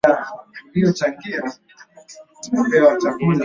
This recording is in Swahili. Seattle alikuwa msichana mwingine